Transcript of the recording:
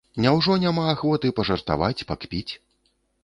Няўжо няма ахвоты пажартаваць, пакпіць?